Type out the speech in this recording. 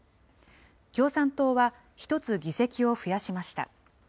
共産党は１つ議席を増やしました。